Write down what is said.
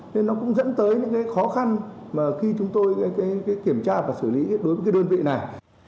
nên nó cũng dẫn tới những cái khó khăn mà khi chúng tôi kiểm tra và xử lý đối với cái đơn vị này